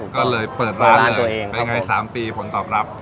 ก็เลยเปิดร้านเลยเป็นไง๓ปีผลตอบรับ